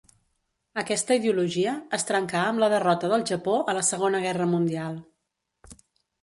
Aquesta ideologia es trencà amb la derrota del Japó a la Segona Guerra Mundial.